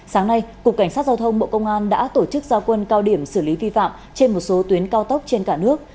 sáng nay cục cảnh sát giao thông bộ công an đã tổ chức giao quân cao điểm xử lý vi phạm trên một số tuyến cao tốc trên cả nước